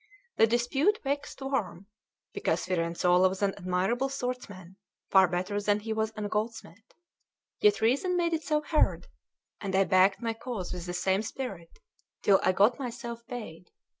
The dispute waxed warm, because Firenzuola was an admirable swordsman, far better than he was a goldsmith. Yet reason made itself heard; and I backed my cause with the same spirit, till I got myself paid.